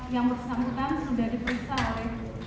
yang bersangkutan sudah diperiksa oleh